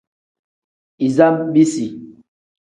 Iza bisi.